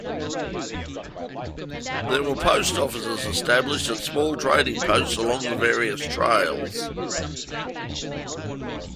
There were post offices established at small trading posts along the various trails.